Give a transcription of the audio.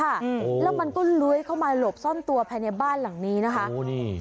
อืมแล้วมันก็เลื้อยเข้ามาหลบซ่อนตัวภายในบ้านหลังนี้นะคะโอ้นี่